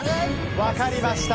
分かりました。